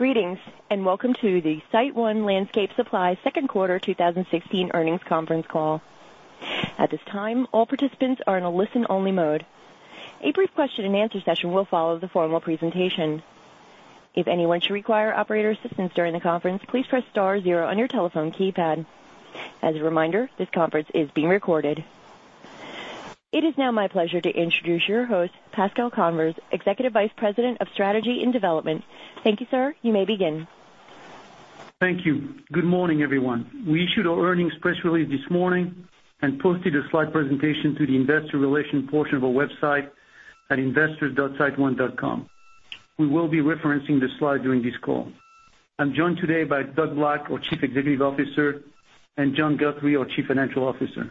Greetings, welcome to the SiteOne Landscape Supply second quarter 2016 earnings conference call. At this time, all participants are in a listen-only mode. A brief question and answer session will follow the formal presentation. If anyone should require operator assistance during the conference, please press star zero on your telephone keypad. As a reminder, this conference is being recorded. It is now my pleasure to introduce your host, Pascal Convers, Executive Vice President of Strategy and Development. Thank you, sir. You may begin. Thank you. Good morning, everyone. We issued our earnings press release this morning posted a slide presentation to the investor relations portion of our website at investors.siteone.com. We will be referencing the slide during this call. I'm joined today by Doug Black, our Chief Executive Officer, John Guthrie, our Chief Financial Officer.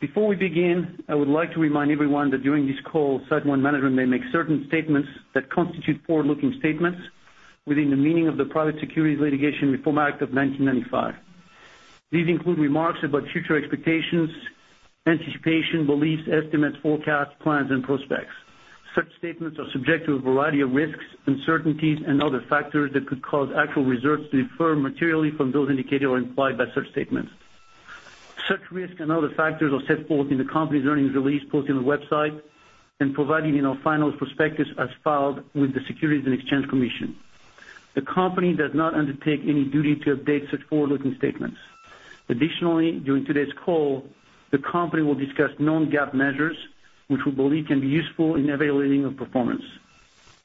Before we begin, I would like to remind everyone that during this call, SiteOne management may make certain statements that constitute forward-looking statements within the meaning of the Private Securities Litigation Reform Act of 1995. These include remarks about future expectations, anticipation, beliefs, estimates, forecasts, plans, and prospects. Such statements are subject to a variety of risks, uncertainties, and other factors that could cause actual results to differ materially from those indicated or implied by such statements. Such risks other factors are set forth in the company's earnings release posted on the website provided in our final prospectus as filed with the Securities and Exchange Commission. The company does not undertake any duty to update such forward-looking statements. Additionally, during today's call, the company will discuss non-GAAP measures, which we believe can be useful in evaluating our performance.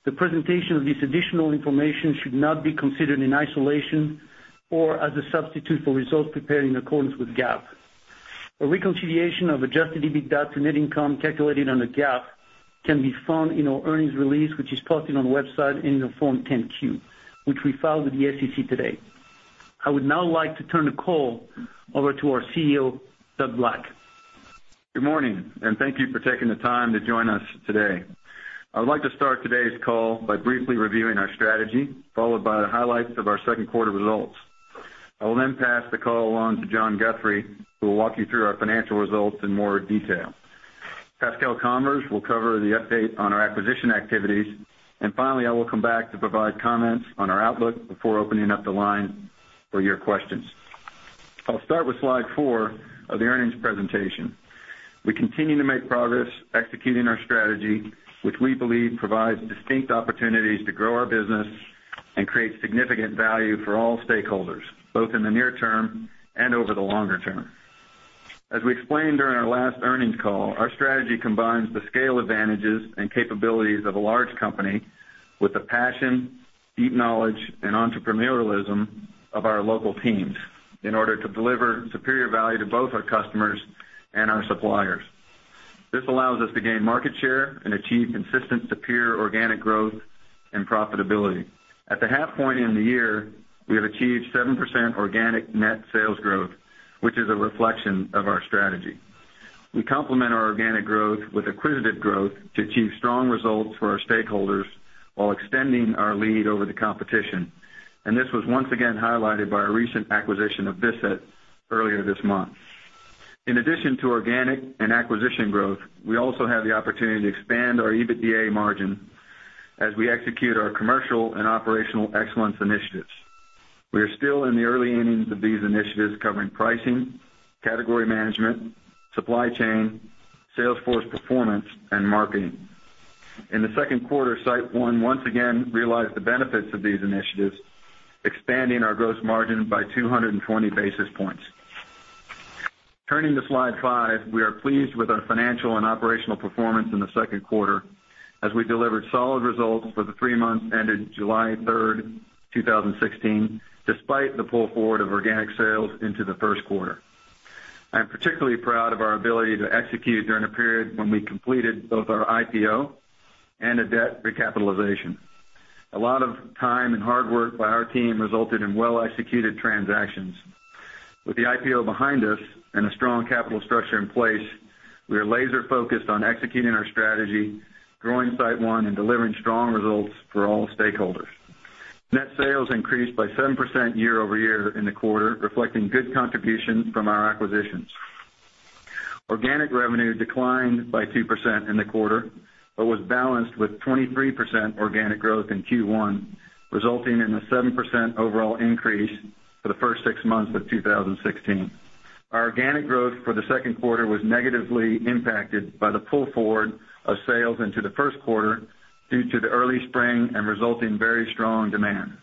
The presentation of this additional information should not be considered in isolation or as a substitute for results prepared in accordance with GAAP. A reconciliation of adjusted EBITDA to net income calculated under GAAP can be found in our earnings release, which is posted on the website in the Form 10-Q, which we filed with the SEC today. I would now like to turn the call over to our CEO, Doug Black. Good morning, thank you for taking the time to join us today. I would like to start today's call by briefly reviewing our strategy, followed by the highlights of our second quarter results. I will then pass the call along to John Guthrie, who will walk you through our financial results in more detail. Pascal Convers will cover the update on our acquisition activities, finally, I will come back to provide comments on our outlook before opening up the line for your questions. I'll start with slide four of the earnings presentation. We continue to make progress executing our strategy, which we believe provides distinct opportunities to grow our business and create significant value for all stakeholders, both in the near term and over the longer term. As we explained during our last earnings call, our strategy combines the scale advantages and capabilities of a large company with the passion, deep knowledge, and entrepreneurialism of our local teams in order to deliver superior value to both our customers and our suppliers. This allows us to gain market share and achieve consistent, superior organic growth and profitability. At the half point in the year, we have achieved 7% organic net sales growth, which is a reflection of our strategy. We complement our organic growth with acquisitive growth to achieve strong results for our stakeholders while extending our lead over the competition. This was once again highlighted by our recent acquisition of Bissett earlier this month. In addition to organic and acquisition growth, we also have the opportunity to expand our EBITDA margin as we execute our commercial and operational excellence initiatives. We are still in the early innings of these initiatives covering pricing, category management, supply chain, Salesforce performance, and marketing. In the second quarter, SiteOne once again realized the benefits of these initiatives, expanding our gross margin by 220 basis points. Turning to slide five, we are pleased with our financial and operational performance in the second quarter as we delivered solid results for the three months ended July 3rd, 2016, despite the pull forward of organic sales into the first quarter. I am particularly proud of our ability to execute during a period when we completed both our IPO and a debt recapitalization. A lot of time and hard work by our team resulted in well-executed transactions. With the IPO behind us and a strong capital structure in place, we are laser-focused on executing our strategy, growing SiteOne, and delivering strong results for all stakeholders. Net sales increased by 7% year-over-year in the quarter, reflecting good contributions from our acquisitions. Organic revenue declined by 2% in the quarter but was balanced with 23% organic growth in Q1, resulting in a 7% overall increase for the first six months of 2016. Our organic growth for the second quarter was negatively impacted by the pull forward of sales into the first quarter due to the early spring and resulting very strong demand.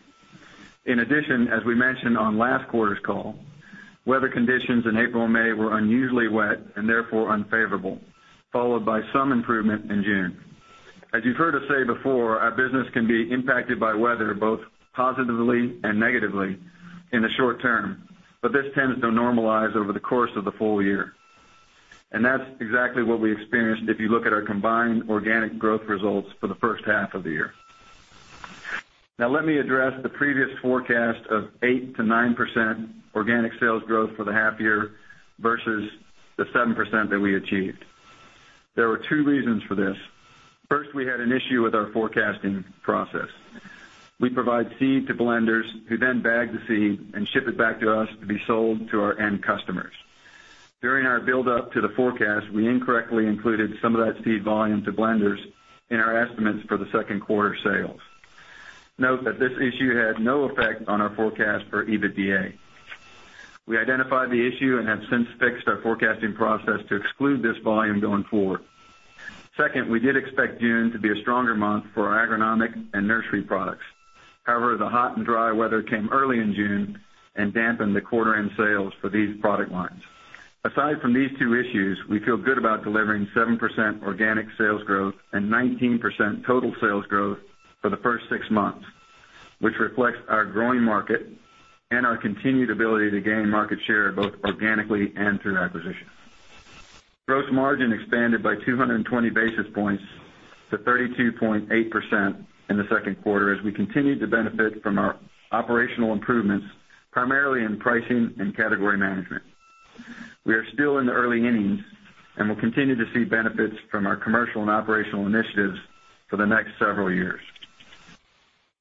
In addition, as we mentioned on last quarter's call, weather conditions in April and May were unusually wet and therefore unfavorable, followed by some improvement in June. As you have heard us say before, our business can be impacted by weather both positively and negatively in the short term, but this tends to normalize over the course of the full year. That is exactly what we experienced if you look at our combined organic growth results for the first half of the year. Now let me address the previous forecast of 8%-9% organic sales growth for the half year versus the 7% that we achieved. There were two reasons for this. First, we had an issue with our forecasting process. We provide seed to blenders who then bag the seed and ship it back to us to be sold to our end customers. During our build up to the forecast, we incorrectly included some of that seed volume to blenders in our estimates for the second quarter sales. Note that this issue had no effect on our forecast for EBITDA. We identified the issue and have since fixed our forecasting process to exclude this volume going forward. Second, we did expect June to be a stronger month for our agronomic and nursery products. However, the hot and dry weather came early in June and dampened the quarter end sales for these product lines. Aside from these two issues, we feel good about delivering 7% organic sales growth and 19% total sales growth for the first six months, which reflects our growing market and our continued ability to gain market share, both organically and through acquisitions. Gross margin expanded by 220 basis points to 32.8% in the second quarter as we continued to benefit from our operational improvements, primarily in pricing and category management. We are still in the early innings and will continue to see benefits from our commercial and operational initiatives for the next several years.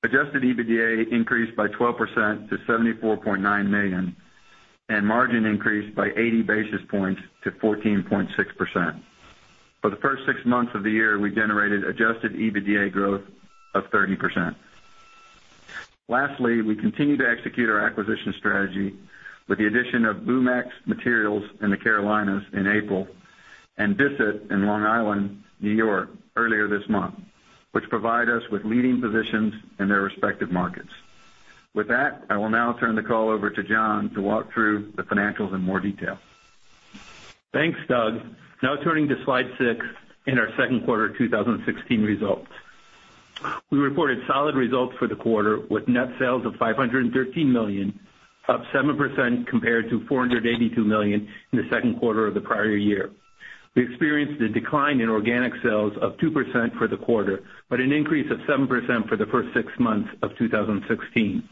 Adjusted EBITDA increased by 12% to $74.9 million, and margin increased by 80 basis points to 14.6%. For the first six months of the year, we generated adjusted EBITDA growth of 30%. Lastly, we continue to execute our acquisition strategy with the addition of Blue Max Materials in the Carolinas in April and Bissett in Long Island, N.Y. earlier this month, which provide us with leading positions in their respective markets. With that, I will now turn the call over to John to walk through the financials in more detail. Thanks, Doug. Now turning to slide six in our second quarter 2016 results. We reported solid results for the quarter, with net sales of $513 million, up 7% compared to $482 million in the second quarter of the prior year. We experienced a decline in organic sales of 2% for the quarter, but an increase of 7% for the first six months of 2016.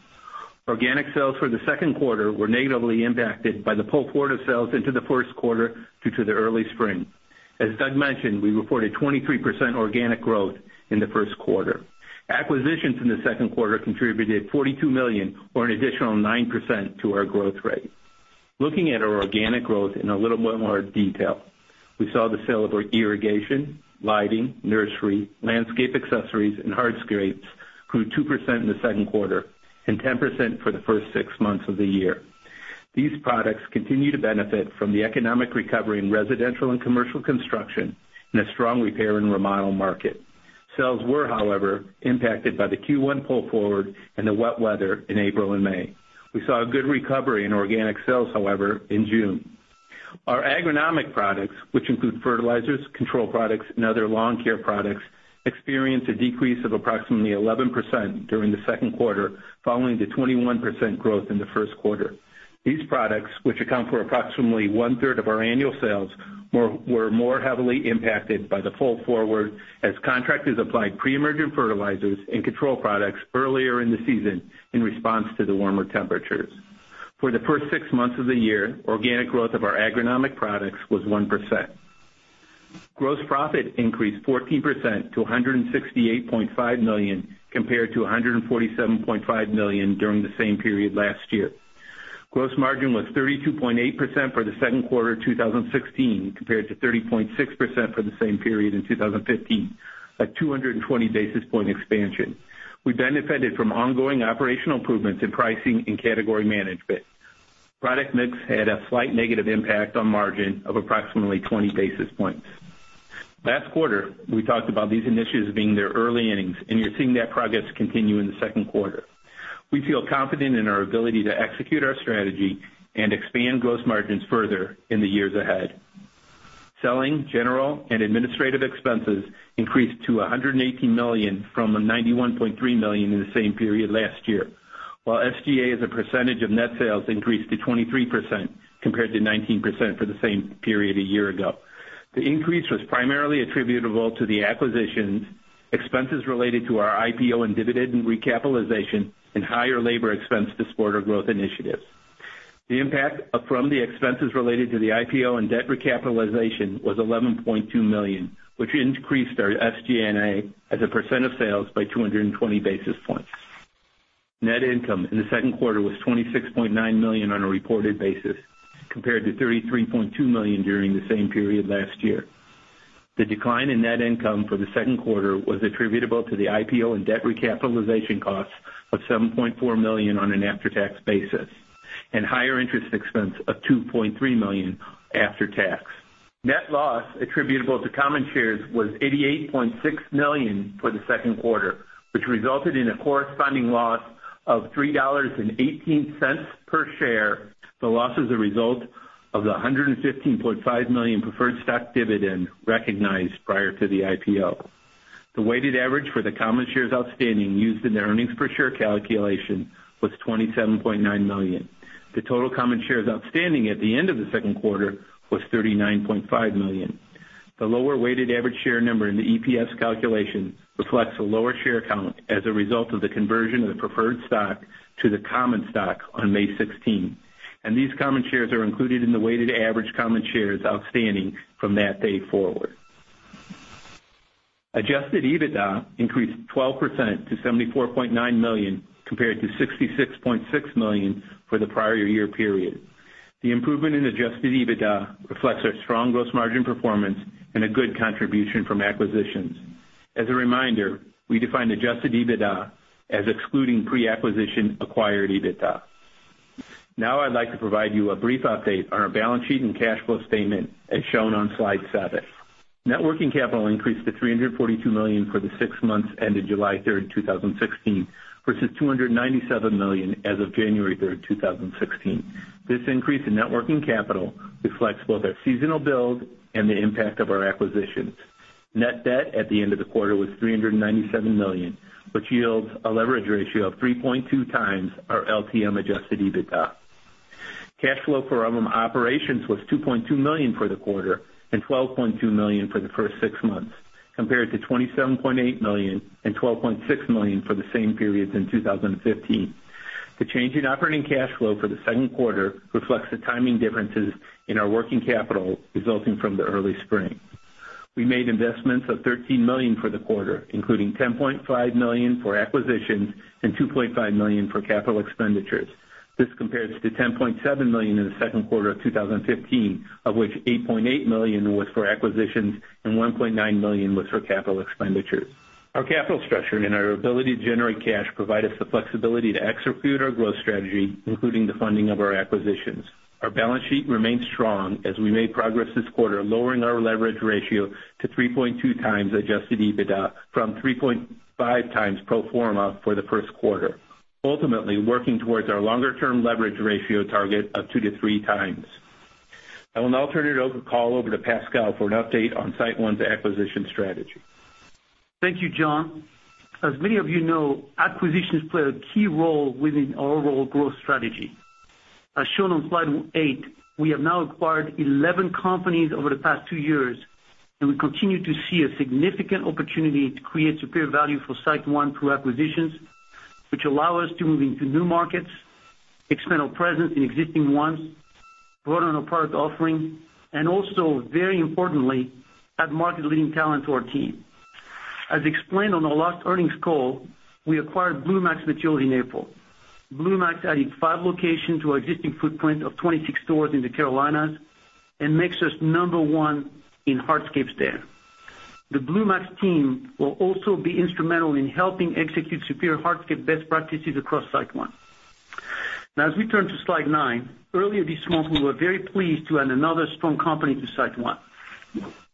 Organic sales for the second quarter were negatively impacted by the pull forward of sales into the first quarter due to the early spring. As Doug mentioned, we reported 23% organic growth in the first quarter. Acquisitions in the second quarter contributed $42 million, or an additional 9%, to our growth rate. Looking at our organic growth in a little more detail, we saw the sale of our irrigation, lighting, nursery, landscape accessories, and hardscapes grew 2% in the second quarter and 10% for the first six months of the year. These products continue to benefit from the economic recovery in residential and commercial construction and a strong repair and remodel market. Sales were, however, impacted by the Q1 pull forward and the wet weather in April and May. We saw a good recovery in organic sales, however, in June. Our agronomic products, which include fertilizers, control products, and other lawn care products, experienced a decrease of approximately 11% during the second quarter following the 21% growth in the first quarter. These products, which account for approximately one-third of our annual sales, were more heavily impacted by the pull forward as contractors applied pre-emergent fertilizers and control products earlier in the season in response to the warmer temperatures. For the first six months of the year, organic growth of our agronomic products was 1%. Gross profit increased 14% to $168.5 million, compared to $147.5 million during the same period last year. Gross margin was 32.8% for the second quarter 2016, compared to 30.6% for the same period in 2015, a 220 basis point expansion. We benefited from ongoing operational improvements in pricing and category management. Product mix had a slight negative impact on margin of approximately 20 basis points. Last quarter, we talked about these initiatives being their early innings. You're seeing that progress continue in the second quarter. We feel confident in our ability to execute our strategy and expand gross margins further in the years ahead. Selling, general, and administrative expenses increased to $118 million from $91.3 million in the same period last year, while SGA as a percentage of net sales increased to 23% compared to 19% for the same period a year ago. The increase was primarily attributable to the acquisitions, expenses related to our IPO and debt recapitalization, and higher labor expense to support our growth initiatives. The impact from the expenses related to the IPO and debt recapitalization was $11.2 million, which increased our SG&A as a percent of sales by 220 basis points. Net income in the second quarter was $26.9 million on a reported basis, compared to $33.2 million during the same period last year. The decline in net income for the second quarter was attributable to the IPO and debt recapitalization costs of $7.4 million on an after-tax basis and higher interest expense of $2.3 million after tax. Net loss attributable to common shares was $88.6 million for the second quarter, which resulted in a corresponding loss of $3.18 per share, the loss as a result of the $115.5 million preferred stock dividend recognized prior to the IPO. The weighted average for the common shares outstanding used in the earnings per share calculation was 27.9 million. The total common shares outstanding at the end of the second quarter was 39.5 million. The lower weighted average share number in the EPS calculation reflects a lower share count as a result of the conversion of the preferred stock to the common stock on May 16. These common shares are included in the weighted average common shares outstanding from that day forward. Adjusted EBITDA increased 12% to $74.9 million compared to $66.6 million for the prior year period. The improvement in adjusted EBITDA reflects our strong gross margin performance and a good contribution from acquisitions. As a reminder, we define adjusted EBITDA as excluding pre-acquisition acquired EBITDA. Now I'd like to provide you a brief update on our balance sheet and cash flow statement, as shown on slide seven. Net working capital increased to $342 million for the six months ended July 3rd, 2016, versus $297 million as of January 3rd, 2016. This increase in net working capital reflects both our seasonal build and the impact of our acquisitions. Net debt at the end of the quarter was $397 million, which yields a leverage ratio of 3.2 times our LTM adjusted EBITDA. Cash flow for operations was $2.2 million for the quarter and $12.2 million for the first six months, compared to $27.8 million and $12.6 million for the same periods in 2015. The change in operating cash flow for the second quarter reflects the timing differences in our working capital resulting from the early spring. We made investments of $13 million for the quarter, including $10.5 million for acquisitions and $2.5 million for capital expenditures. This compares to $10.7 million in the second quarter of 2015, of which $8.8 million was for acquisitions and $1.9 million was for capital expenditures. Our capital structure and our ability to generate cash provide us the flexibility to execute our growth strategy, including the funding of our acquisitions. Our balance sheet remains strong as we made progress this quarter, lowering our leverage ratio to 3.2x adjusted EBITDA from 3.5x pro forma for the first quarter. Ultimately, working towards our longer-term leverage ratio target of 2x-3x. I will now turn the call over to Pascal for an update on SiteOne's acquisition strategy. Thank you, John. As many of you know, acquisitions play a key role within our overall growth strategy. As shown on slide eight, we have now acquired 11 companies over the past two years, we continue to see a significant opportunity to create superior value for SiteOne through acquisitions, which allow us to move into new markets, expand our presence in existing ones, broaden our product offering, and also, very importantly, add market-leading talent to our team. As explained on our last earnings call, we acquired Blue Max Materials in April. Blue Max added five locations to our existing footprint of 26 stores in the Carolinas and makes us number one in hardscapes there. The Blue Max team will also be instrumental in helping execute superior hardscape best practices across SiteOne. As we turn to slide nine. Earlier this month, we were very pleased to add another strong company to SiteOne.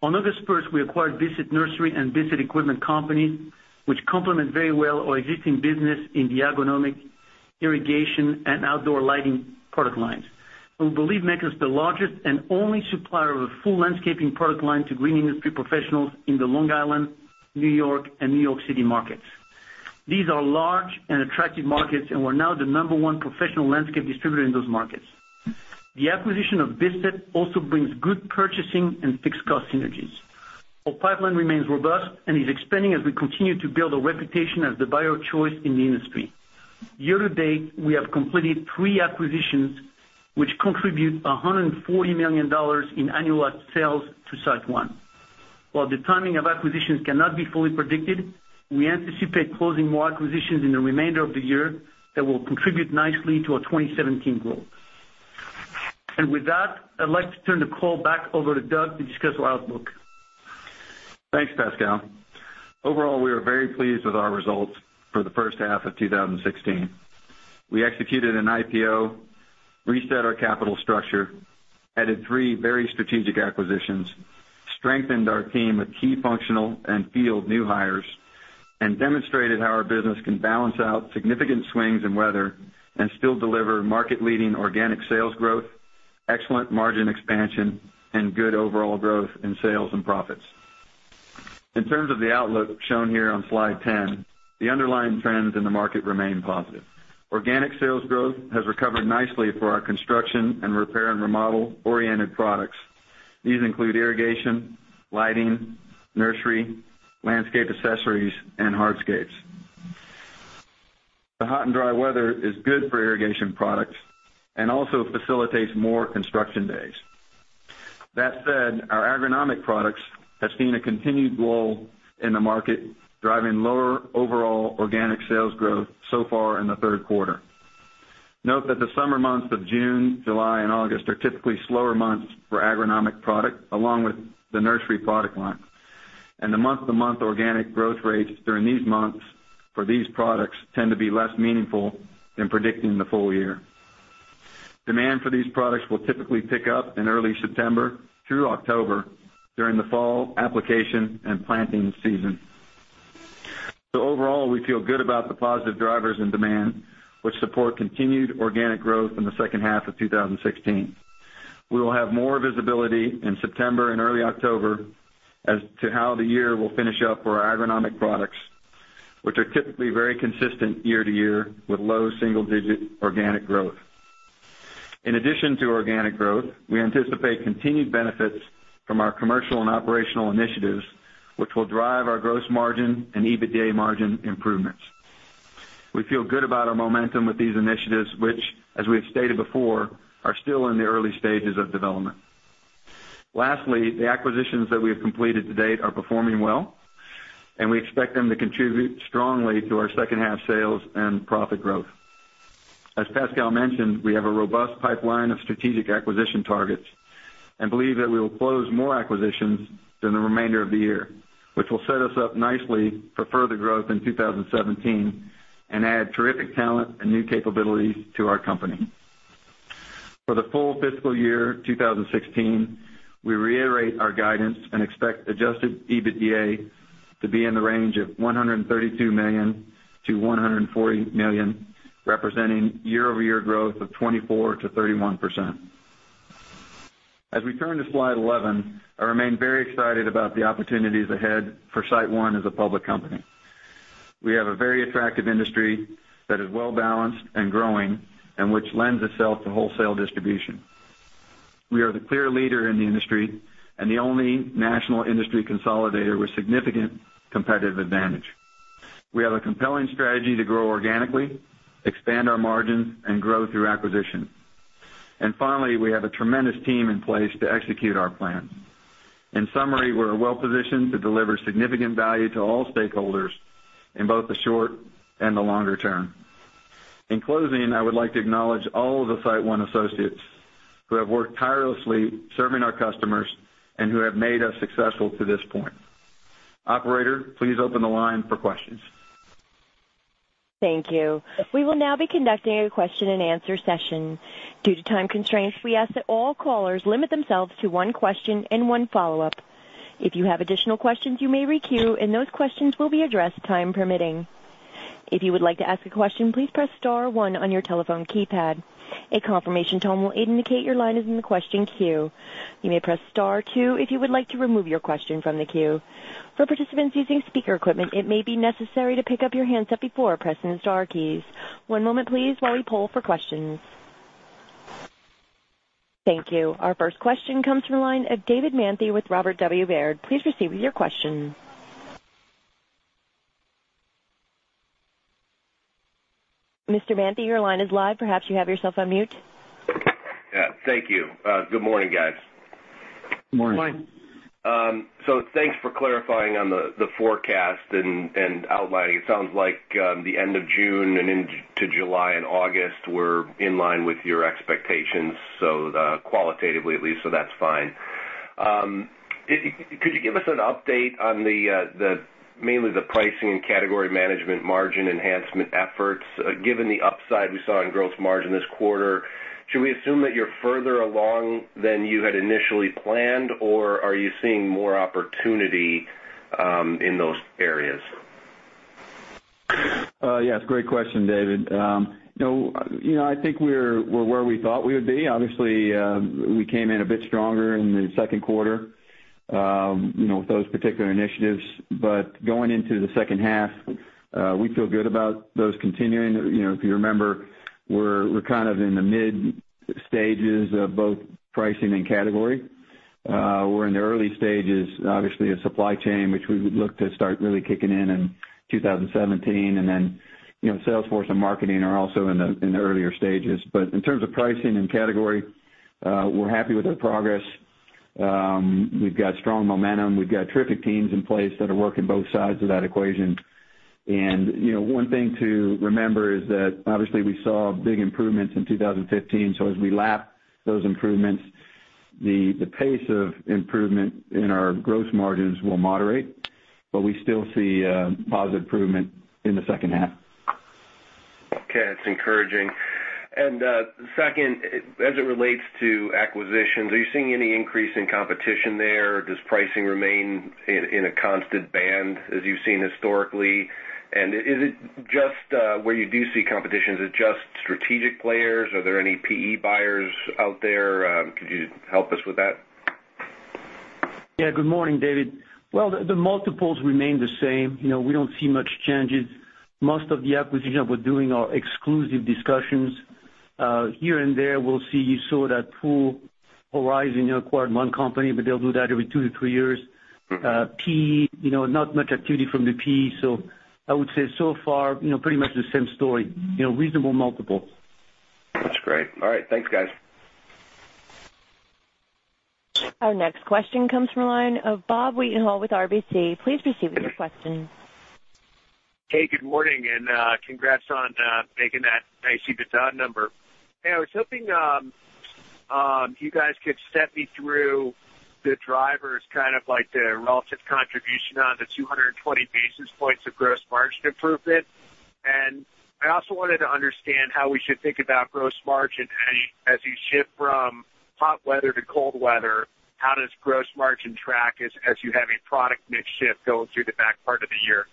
On August 1st, we acquired Bissett Nursery and Bissett Equipment Company, which complement very well our existing business in the agronomic, irrigation, and outdoor lighting product lines. We believe makes us the largest and only supplier of a full landscaping product line to green industry professionals in the Long Island, N.Y., and New York City markets. These are large and attractive markets, we're now the number one professional landscape distributor in those markets. The acquisition of Bissett also brings good purchasing and fixed cost synergies. Our pipeline remains robust and is expanding as we continue to build a reputation as the buyer of choice in the industry. Year-to-date, we have completed three acquisitions which contribute $140 million in annualized sales to SiteOne. While the timing of acquisitions cannot be fully predicted, we anticipate closing more acquisitions in the remainder of the year that will contribute nicely to our 2017 growth. With that, I'd like to turn the call back over to Doug to discuss our outlook. Thanks, Pascal. Overall, we are very pleased with our results for the first half of 2016. We executed an IPO, reset our capital structure, added three very strategic acquisitions, strengthened our team with key functional and field new hires, and demonstrated how our business can balance out significant swings in weather and still deliver market-leading organic sales growth, excellent margin expansion, and good overall growth in sales and profits. In terms of the outlook shown here on slide 10, the underlying trends in the market remain positive. Organic sales growth has recovered nicely for our construction and repair and remodel-oriented products. These include irrigation, lighting, nursery, landscape accessories, and hardscapes. The hot and dry weather is good for irrigation products and also facilitates more construction days. That said, our agronomic products have seen a continued lull in the market, driving lower overall organic sales growth so far in the third quarter. Note that the summer months of June, July, and August are typically slower months for agronomic product, along with the nursery product line. The month-to-month organic growth rates during these months for these products tend to be less meaningful than predicting the full year. Demand for these products will typically pick up in early September through October during the fall application and planting season. Overall, we feel good about the positive drivers in demand, which support continued organic growth in the second half of 2016. We will have more visibility in September and early October as to how the year will finish up for our agronomic products, which are typically very consistent year to year with low single-digit organic growth. In addition to organic growth, we anticipate continued benefits from our commercial and operational initiatives, which will drive our gross margin and EBITDA margin improvements. We feel good about our momentum with these initiatives, which, as we have stated before, are still in the early stages of development. Lastly, the acquisitions that we have completed to date are performing well, and we expect them to contribute strongly to our second half sales and profit growth. As Pascal mentioned, we have a robust pipeline of strategic acquisition targets and believe that we will close more acquisitions than the remainder of the year, which will set us up nicely for further growth in 2017 and add terrific talent and new capabilities to our company. For the full fiscal year 2016, we reiterate our guidance and expect adjusted EBITDA to be in the range of $132 million-$140 million, representing year-over-year growth of 24%-31%. As we turn to slide 11, I remain very excited about the opportunities ahead for SiteOne as a public company. We have a very attractive industry that is well-balanced and growing, which lends itself to wholesale distribution. We are the clear leader in the industry and the only national industry consolidator with significant competitive advantage. We have a compelling strategy to grow organically, expand our margins, and grow through acquisition. Finally, we have a tremendous team in place to execute our plan. In summary, we're well-positioned to deliver significant value to all stakeholders in both the short and the longer term. In closing, I would like to acknowledge all of the SiteOne associates who have worked tirelessly serving our customers and who have made us successful to this point. Operator, please open the line for questions. Thank you. We will now be conducting a question and answer session. Due to time constraints, we ask that all callers limit themselves to one question and one follow-up. If you have additional questions, you may re-queue, and those questions will be addressed, time permitting. If you would like to ask a question, please press star one on your telephone keypad. A confirmation tone will indicate your line is in the question queue. You may press star two if you would like to remove your question from the queue. For participants using speaker equipment, it may be necessary to pick up your handset before pressing the star keys. One moment please while we poll for questions. Thank you. Our first question comes from the line of David Manthey with Robert W. Baird. Please proceed with your question. Mr. Manthey, your line is live. Perhaps you have yourself on mute. Yeah. Thank you. Good morning, guys. Morning. Morning. Thanks for clarifying on the forecast and outlining. It sounds like the end of June and into July and August were in line with your expectations, qualitatively at least, so that's fine. Could you give us an update on mainly the pricing and category management margin enhancement efforts? Given the upside we saw in gross margin this quarter, should we assume that you're further along than you had initially planned, or are you seeing more opportunity in those areas? Yes, great question, David. I think we're where we thought we would be. Obviously, we came in a bit stronger in the second quarter with those particular initiatives. Going into the second half, we feel good about those continuing. If you remember, we're kind of in the mid-stages of both pricing and category. We're in the early stages, obviously, of supply chain, which we would look to start really kicking in in 2017. Salesforce and marketing are also in the earlier stages. In terms of pricing and category, we're happy with our progress. We've got strong momentum. We've got terrific teams in place that are working both sides of that equation. One thing to remember is that obviously we saw big improvements in 2015. As we lap those improvements, the pace of improvement in our gross margins will moderate, but we still see positive improvement in the second half. Okay. That's encouraging. Second, as it relates to acquisitions, are you seeing any increase in competition there, or does pricing remain in a constant band as you've seen historically? Where you do see competition, is it just strategic players? Are there any PE buyers out there? Could you help us with that? Yeah. Good morning, David. Well, the multiples remain the same. We don't see much changes. Most of the acquisition, we're doing are exclusive discussions. Here and there, we'll see. You saw that Pool Horizon acquired one company, but they'll do that every two to three years. I would say so far, pretty much the same story. Reasonable multiples. That's great. All right. Thanks, guys. Our next question comes from the line of Bob Wetenhall with RBC. Please proceed with your question. Hey, good morning, and congrats on making that nice EBITDA number. Hey, I was hoping you guys could step me through the drivers, kind of like the relative contribution on the 220 basis points of gross margin improvement. I also wanted to understand how we should think about gross margin as you shift from hot weather to cold weather. How does gross margin track as you have a product mix shift going through the back part of the year?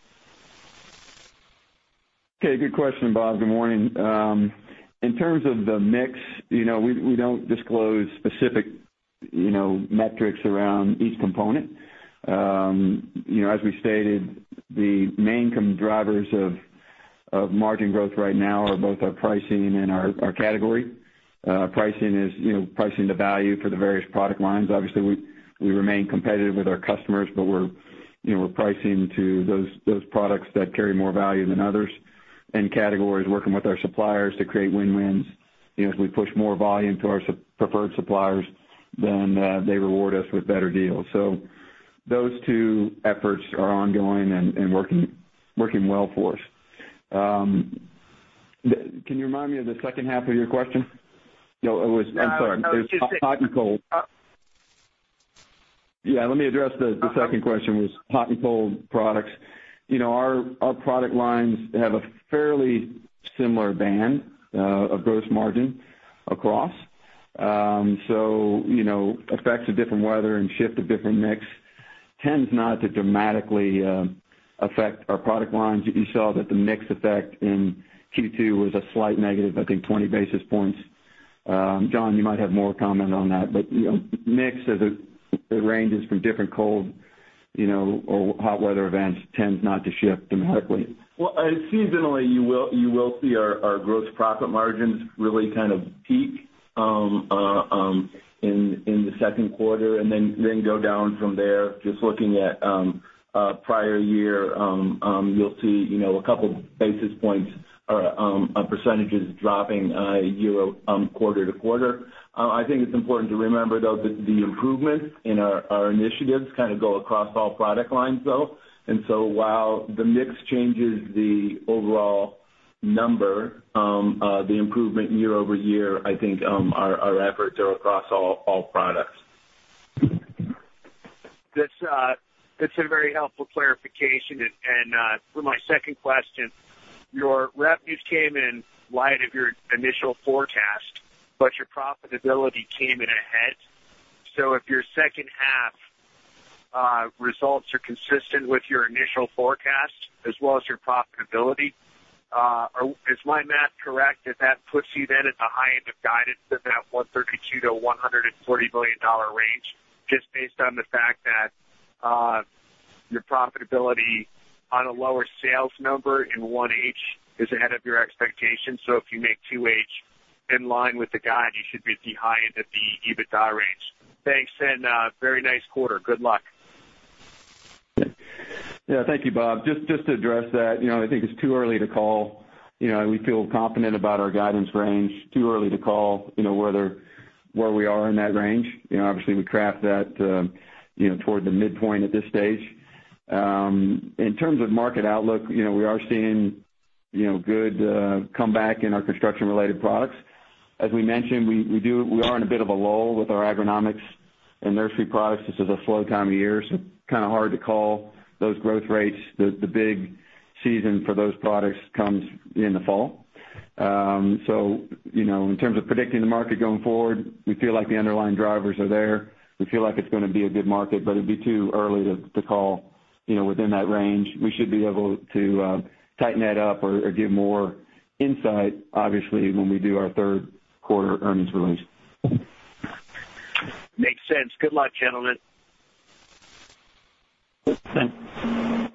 Okay. Good question, Bob. Good morning. In terms of the mix, we don't disclose specific metrics around each component. As we stated, the main drivers of margin growth right now are both our pricing and our category. Pricing to value for the various product lines. Obviously, we remain competitive with our customers, but we're pricing to those products that carry more value than others. Categories, working with our suppliers to create win-wins. As we push more volume to our preferred suppliers, then they reward us with better deals. Those two efforts are ongoing and working well for us. Can you remind me of the second half of your question? No, I'm sorry. No, it's just. It was hot and cold. Yeah, let me address the second question, was hot and cold products. Our product lines have a fairly similar band of gross margin across. Effects of different weather and shift of different mix tends not to dramatically affect our product lines. You saw that the mix effect in Q2 was a slight negative, I think 20 basis points. John, you might have more comment on that, but mix as it ranges from different cold or hot weather events tends not to shift dramatically. Well, seasonally, you will see our gross profit margins really kind of peak in the second quarter and then go down from there. Just looking at prior year, you'll see a couple basis points or percentages dropping quarter to quarter. I think it's important to remember, though, that the improvements in our initiatives kind of go across all product lines, though. While the mix changes the overall number, the improvement year over year, I think our efforts are across all products. That's a very helpful clarification. For my second question, your revenues came in light of your initial forecast, but your profitability came in ahead. If your second half results are consistent with your initial forecast as well as your profitability, is my math correct that puts you then at the high end of guidance within that $132 billion-$140 billion range, just based on the fact that your profitability on a lower sales number in 1H is ahead of your expectations. If you make 2H in line with the guide, you should be at the high end of the EBITDA range. Thanks, very nice quarter. Good luck. Yeah. Thank you, Bob Wetenhall. Just to address that, I think it's too early to call. We feel confident about our guidance range. Too early to call where we are in that range. Obviously, we craft that toward the midpoint at this stage. In terms of market outlook, we are seeing good comeback in our construction-related products. As we mentioned, we are in a bit of a lull with our agronomics and nursery products. This is a slow time of year, kind of hard to call those growth rates. The big season for those products comes in the fall. In terms of predicting the market going forward, we feel like the underlying drivers are there. We feel like it's going to be a good market, it'd be too early to call within that range. We should be able to tighten that up or give more insight, obviously, when we do our third quarter earnings release. Makes sense. Good luck, gentlemen. Thanks.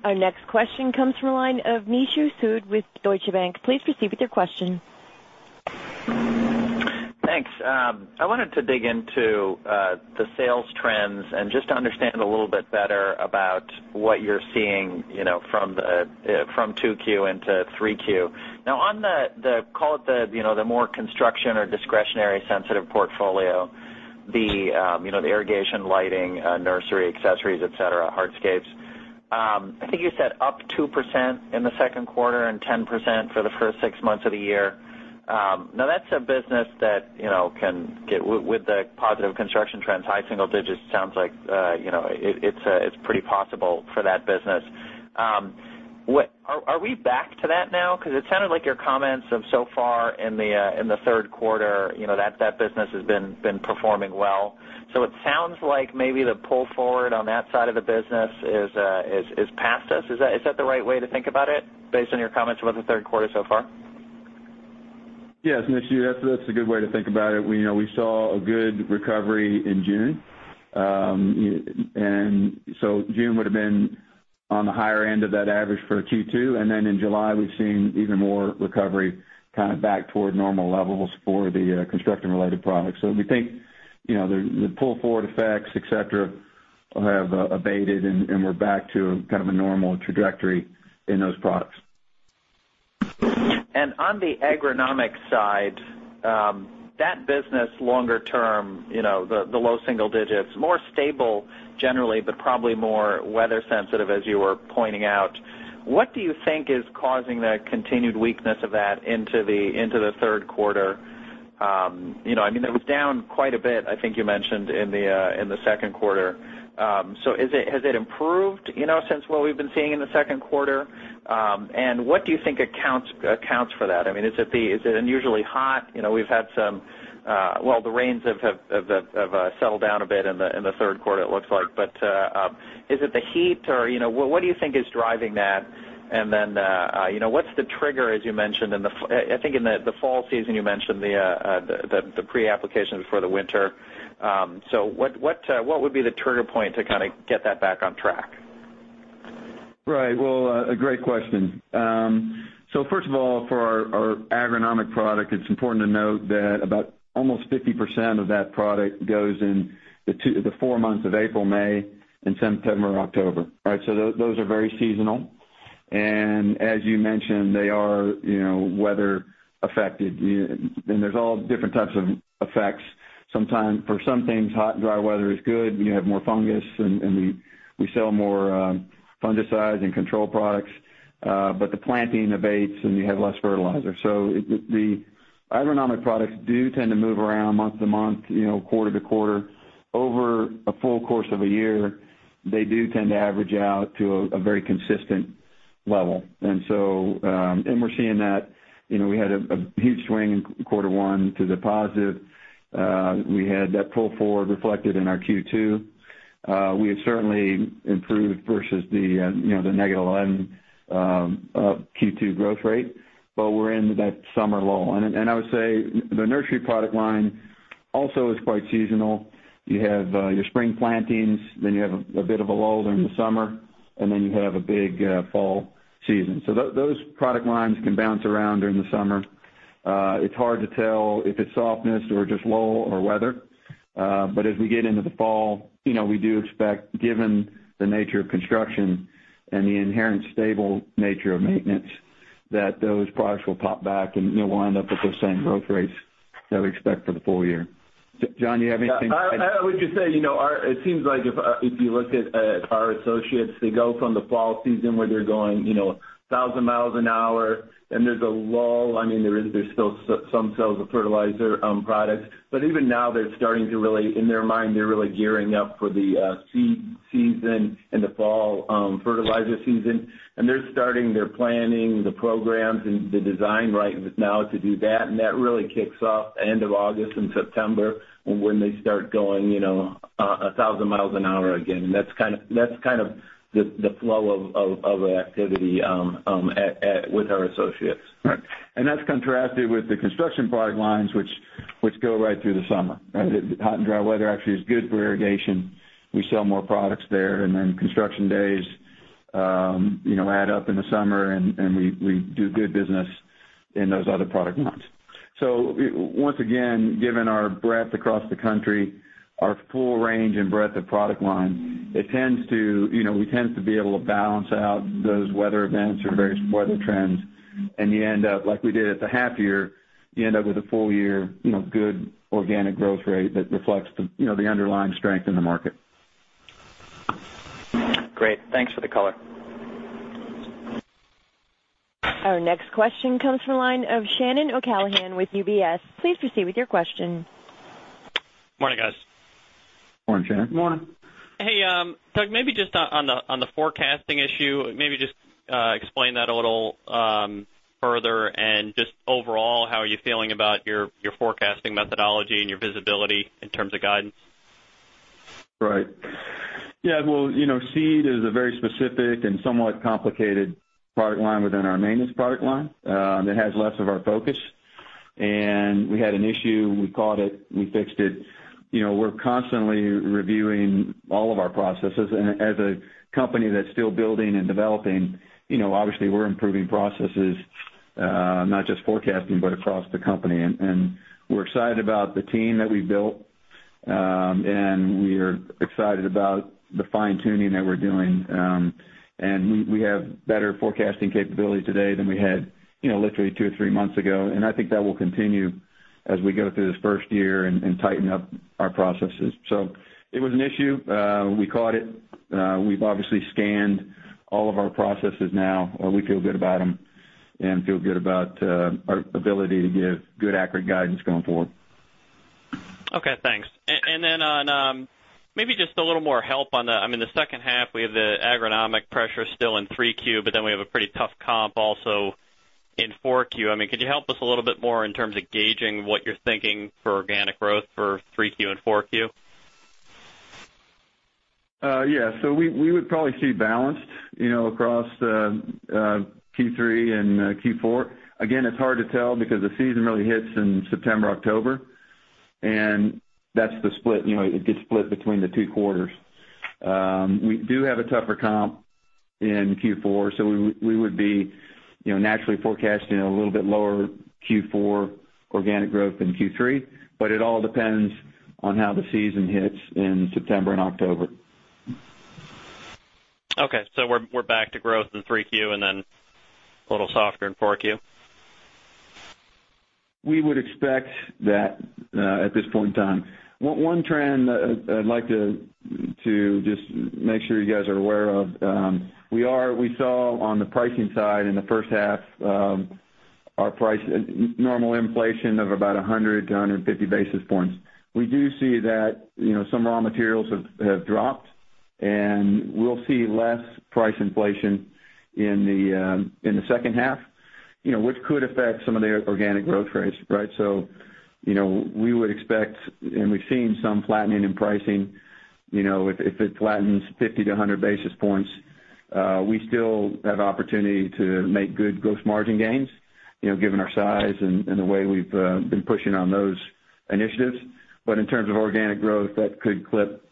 Our next question comes from the line of Nishu Sood with Deutsche Bank. Please proceed with your question. Thanks. I wanted to dig into the sales trends and just to understand a little bit better about what you're seeing from 2Q into 3Q. call it the more construction or discretionary sensitive portfolio, the irrigation, lighting, nursery accessories, et cetera, hardscapes, I think you said up 2% in the second quarter and 10% for the first six months of the year. That's a business with the positive construction trends, high single digits sounds like it's pretty possible for that business. Are we back to that now? It sounded like your comments of so far in the third quarter, that business has been performing well. It sounds like maybe the pull forward on that side of the business is past us. Is that the right way to think about it, based on your comments about the third quarter so far? Yes, Nishu, that's a good way to think about it. We saw a good recovery in June. June would've been on the higher end of that average for Q2. In July, we've seen even more recovery, kind of back toward normal levels for the construction-related products. We think, the pull-forward effects, et cetera, have abated, and we're back to kind of a normal trajectory in those products. On the agronomic side, that business longer term, the low single digits, more stable generally, but probably more weather sensitive, as you were pointing out. What do you think is causing the continued weakness of that into the third quarter? It was down quite a bit, I think you mentioned in the second quarter. Has it improved since what we've been seeing in the second quarter? What do you think accounts for that? I mean, is it unusually hot? We've had some. The rains have settled down a bit in the third quarter, it looks like. Is it the heat or what do you think is driving that? What's the trigger, as you mentioned, I think in the fall season, you mentioned the pre-applications for the winter. What would be the trigger point to kind of get that back on track? Right. A great question. First of all, for our agronomic product, it's important to note that about almost 50% of that product goes in the four months of April, May, and September, October. All right? Those are very seasonal. As you mentioned, they are weather affected, and there's all different types of effects. For some things, hot and dry weather is good. You have more fungus, and we sell more fungicides and control products. The planting abates, and you have less fertilizer. The agronomic products do tend to move around month to month, quarter to quarter. Over a full course of a year, they do tend to average out to a very consistent level. We're seeing that. We had a huge swing in Q1 to the positive. We had that pull forward reflected in our Q2. We have certainly improved versus the -11% Q2 growth rate, but we're into that summer lull. I would say the nursery product line also is quite seasonal. You have your spring plantings, then you have a bit of a lull during the summer, and then you have a big fall season. Those product lines can bounce around during the summer. It's hard to tell if it's softness or just lull or weather. As we get into the fall, we do expect, given the nature of construction and the inherent stable nature of maintenance, that those products will pop back, and we'll end up with those same growth rates that we expect for the full year. John, you have anything to add? I would just say, it seems like if you look at our associates, they go from the fall season where they're going 1,000 miles an hour, then there's a lull. There's still some sales of fertilizer products, but even now in their mind, they're really gearing up for the seed season and the fall fertilizer season. They're starting their planning, the programs, and the design right now to do that. That really kicks off end of August and September, when they start going 1,000 miles an hour again. That's kind of the flow of activity with our associates. Right. That's contrasted with the construction product lines, which go right through the summer. Hot and dry weather actually is good for irrigation. We sell more products there, then construction days add up in the summer, and we do good business in those other product lines. Once again, given our breadth across the country, our full range and breadth of product line, we tend to be able to balance out those weather events or various weather trends, and like we did at the half year, you end up with a full year good organic growth rate that reflects the underlying strength in the market. Great. Thanks for the color. Our next question comes from the line of Shannon O'Callaghan with UBS. Please proceed with your question. Morning, guys. Morning, Shannon. Morning. Hey, Doug, maybe just on the forecasting issue, maybe just explain that a little further, and just overall, how are you feeling about your forecasting methodology and your visibility in terms of guidance? Right. Yeah. Well, seed is a very specific and somewhat complicated product line within our maintenance product line, that has less of our focus. We had an issue, we caught it, we fixed it. We're constantly reviewing all of our processes. As a company that's still building and developing, obviously we're improving processes, not just forecasting, but across the company. We're excited about the team that we've built, and we are excited about the fine-tuning that we're doing. We have better forecasting capability today than we had literally two or three months ago. I think that will continue as we go through this first year and tighten up our processes. It was an issue. We caught it. We've obviously scanned all of our processes now, we feel good about them and feel good about our ability to give good, accurate guidance going forward. Okay, thanks. Maybe just a little more help on the second half, we have the agronomic pressure still in 3 Q, but then we have a pretty tough comp also in 4 Q. Could you help us a little bit more in terms of gauging what you're thinking for organic growth for 3 Q and 4 Q? We would probably see balance across Q3 and Q4. It's hard to tell because the season really hits in September, October, and that's the split. It gets split between the two quarters. We do have a tougher comp in Q4, we would be naturally forecasting a little bit lower Q4 organic growth than Q3, but it all depends on how the season hits in September and October. We're back to growth in 3 Q and then a little softer in 4 Q? We would expect that at this point in time. One trend I'd like to just make sure you guys are aware of. We saw on the pricing side in the first half, normal inflation of about 100-150 basis points. We do see that some raw materials have dropped, and we'll see less price inflation in the second half which could affect some of the organic growth rates, right? We would expect, and we've seen some flattening in pricing. If it flattens 50-100 basis points, we still have opportunity to make good gross margin gains, given our size and the way we've been pushing on those initiatives. In terms of organic growth, that could clip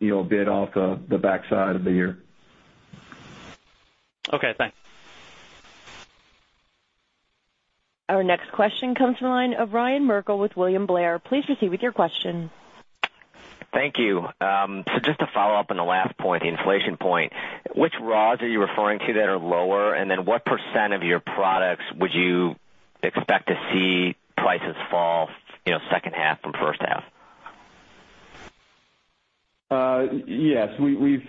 a bit off the back side of the year. Okay, thanks. Our next question comes from the line of Ryan Merkel with William Blair. Please proceed with your question. Thank you. Just to follow up on the last point, the inflation point, which raws are you referring to that are lower? What % of your products would you expect to see prices fall, second half from first half? Yes. We've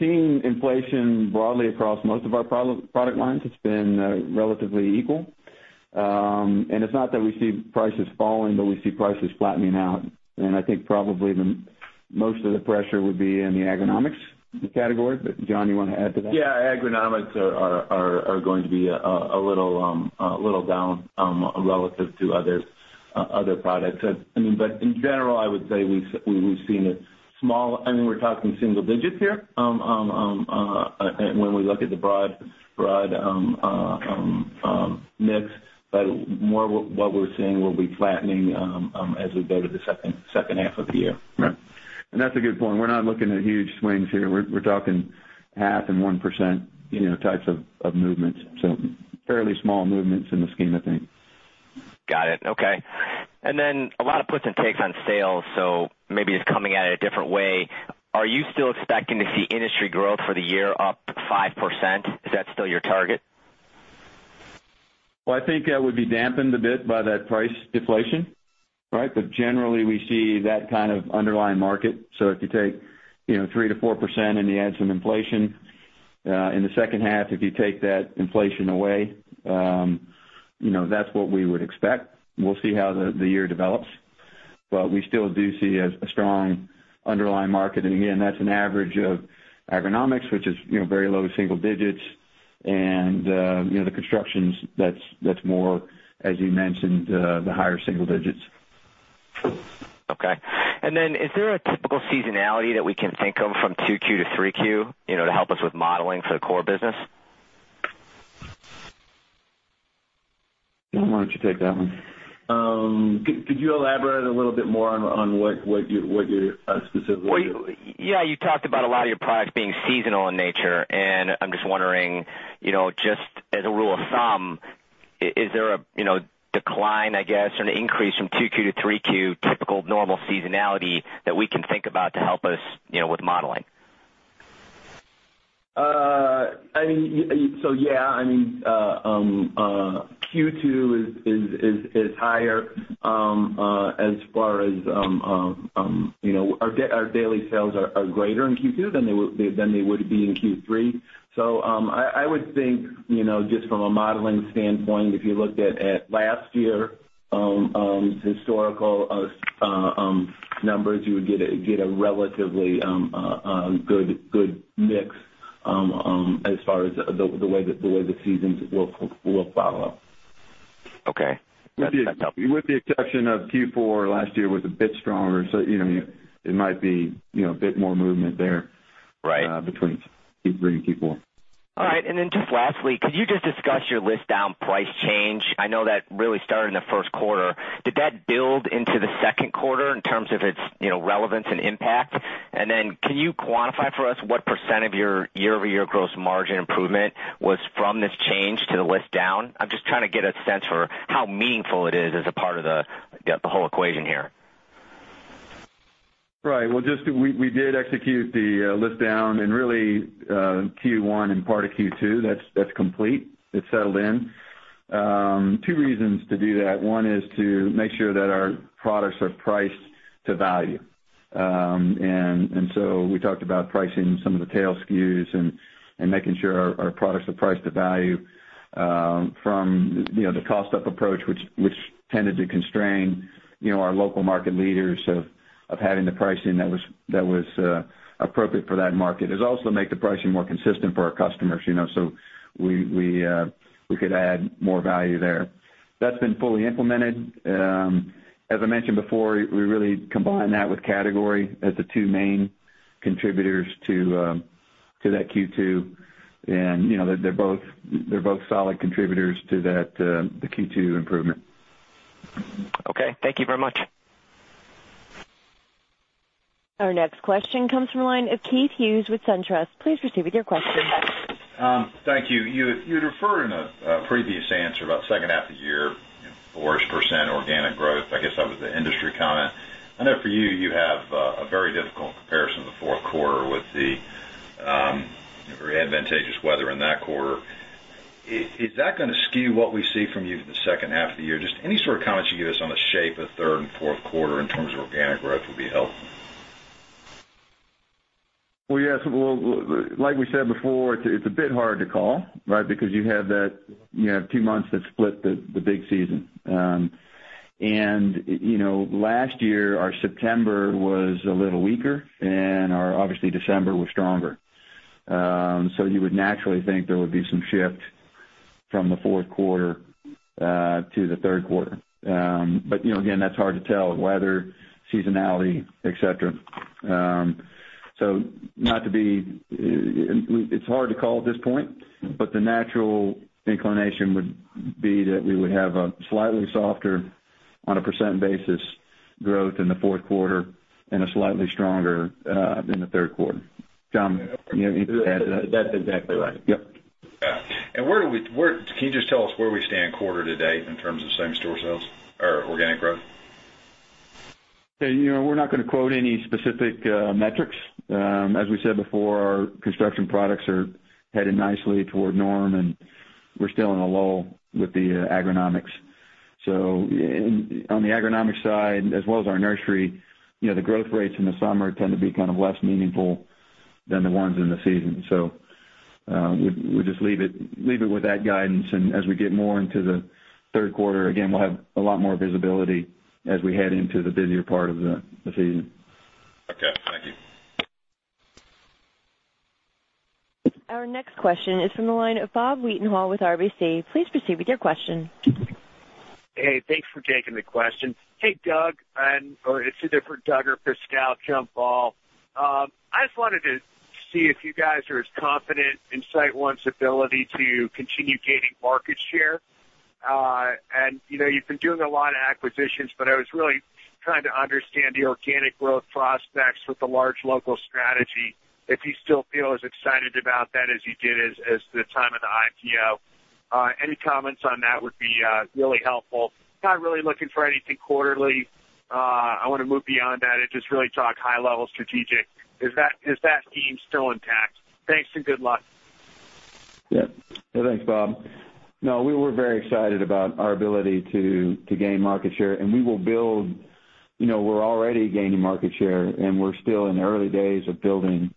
seen inflation broadly across most of our product lines. It's been relatively equal. It's not that we see prices falling, but we see prices flattening out. I think probably the most of the pressure would be in the agronomics category. John, you want to add to that? Agronomics are going to be a little down, relative to other products. In general, I would say we've seen We're talking single digits here, when we look at the broad mix, but more what we're seeing will be flattening, as we go to the second half of the year. Right. That's a good point. We're not looking at huge swings here. We're talking half and 1%, types of movements. Fairly small movements in the scheme of things. Got it. Okay. A lot of puts and takes on sales, maybe it's coming at it a different way. Are you still expecting to see industry growth for the year up 5%? Is that still your target? I think that would be dampened a bit by that price deflation, right? Generally, we see that kind of underlying market. If you take 3%-4% and you add some inflation, in the second half, if you take that inflation away, that's what we would expect. We'll see how the year develops, but we still do see a strong underlying market. Again, that's an average of Agronomics, which is very low single digits and the constructions, that's more as you mentioned, the higher single digits. Okay. Then is there a typical seasonality that we can think of from two Q to three Q, to help us with modeling for the core business? John, why don't you take that one? Could you elaborate a little bit more on what you're specifically doing? Yeah. You talked about a lot of your products being seasonal in nature, I'm just wondering, just as a rule of thumb, is there a decline, I guess, or an increase from two Q to three Q, typical normal seasonality that we can think about to help us with modeling? Yeah. Q2 is higher as far as our daily sales are greater in Q2 than they would be in Q3. I would think, just from a modeling standpoint, if you looked at last year's historical numbers, you would get a relatively good mix as far as the way the seasons will follow. Okay. That's helpful. With the exception of Q4 last year was a bit stronger. It might be a bit more movement there- Right between Q3 and Q4. Then just lastly, could you just discuss your list down price change? I know that really started in the first quarter. Did that build into the second quarter in terms of its relevance and impact? Then can you quantify for us what % of your year-over-year gross margin improvement was from this change to the list down? I am just trying to get a sense for how meaningful it is as a part of the whole equation here. Right. We did execute the list down in really Q1 and part of Q2. That is complete. It settled in. Two reasons to do that. One is to make sure that our products are priced to value. We talked about pricing some of the tail SKUs and making sure our products are priced to value, from the cost up approach, which tended to constrain our local market leaders of having the pricing that was appropriate for that market. It also make the pricing more consistent for our customers, so we could add more value there. That has been fully implemented. As I mentioned before, we really combine that with category as the two main contributors to that Q2 and they are both solid contributors to the Q2 improvement. Okay. Thank you very much. Our next question comes from the line of Keith Hughes with SunTrust. Please proceed with your question. Thank you. You had referred in a previous answer about second half of the year, 4-ish% organic growth. I guess that was the industry comment. I know for you have a very difficult comparison to the fourth quarter with the very advantageous weather in that quarter. Is that gonna skew what we see from you for the second half of the year? Just any sort of comments you give us on the shape of third and fourth quarter in terms of organic growth would be helpful. Well, yes. Like we said before, it's a bit hard to call, right? You have two months that split the big season. Last year, our September was a little weaker, and obviously December was stronger. You would naturally think there would be some shift from the fourth quarter to the third quarter. Again, that's hard to tell. Weather, seasonality, et cetera. It's hard to call at this point, but the natural inclination would be that we would have a slightly softer on a percent basis Growth in the fourth quarter and a slightly stronger in the third quarter. John, you have anything to add to that? That's exactly right. Yep. Yeah. Can you just tell us where we stand quarter to date in terms of same-store sales or organic growth? We're not going to quote any specific metrics. As we said before, construction products are headed nicely toward norm, and we're still in a lull with the agronomics. On the agronomic side, as well as our nursery, the growth rates in the summer tend to be less meaningful than the ones in the season. We'll just leave it with that guidance, and as we get more into the third quarter, again, we'll have a lot more visibility as we head into the busier part of the season. Okay, thank you. Our next question is from the line of Bob Wetenhall with RBC. Please proceed with your question. Hey, thanks for taking the question. Hey, Doug, or it's either for Doug or Chris Stout, jump ball. I just wanted to see if you guys are as confident in SiteOne's ability to continue gaining market share. You've been doing a lot of acquisitions, but I was really trying to understand the organic growth prospects with the large local strategy, if you still feel as excited about that as you did at the time of the IPO. Any comments on that would be really helpful. Not really looking for anything quarterly. I want to move beyond that and just really talk high level strategic. Is that scheme still intact? Thanks and good luck. Yeah. Thanks, Bob. No, we were very excited about our ability to gain market share, we will build. We're already gaining market share, we're still in the early days of building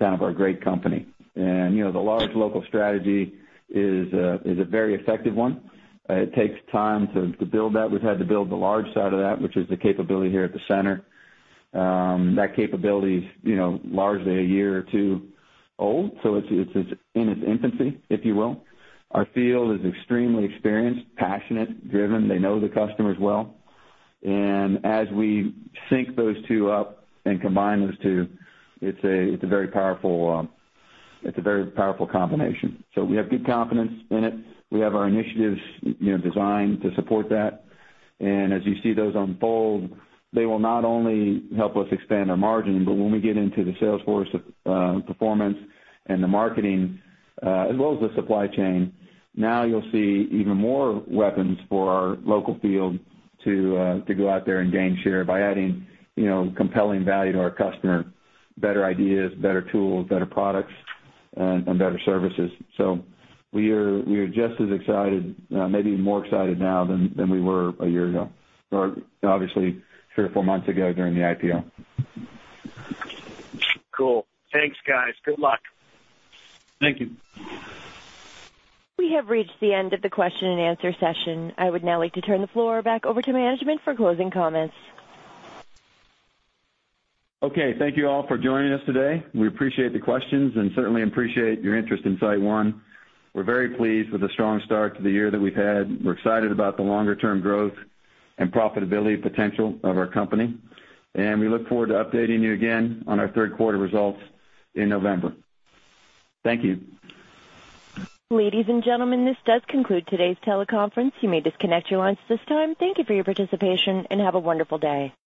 our great company. The large local strategy is a very effective one. It takes time to build that. We've had to build the large side of that, which is the capability here at the center. That capability's largely a year or two old, so it's in its infancy, if you will. Our field is extremely experienced, passionate, driven. They know the customers well. As we sync those two up and combine those two, it's a very powerful combination. We have good confidence in it. We have our initiatives designed to support that. As you see those unfold, they will not only help us expand our margin, but when we get into the Salesforce performance and the marketing, as well as the supply chain, now you'll see even more weapons for our local field to go out there and gain share by adding compelling value to our customer, better ideas, better tools, better products, and better services. We are just as excited, maybe more excited now than we were a year ago, or obviously three or four months ago during the IPO. Cool. Thanks, guys. Good luck. Thank you. We have reached the end of the question and answer session. I would now like to turn the floor back over to management for closing comments. Okay, thank you all for joining us today. We appreciate the questions and certainly appreciate your interest in SiteOne. We're very pleased with the strong start to the year that we've had. We're excited about the longer-term growth and profitability potential of our company, and we look forward to updating you again on our third quarter results in November. Thank you. Ladies and gentlemen, this does conclude today's teleconference. You may disconnect your lines at this time. Thank you for your participation, and have a wonderful day.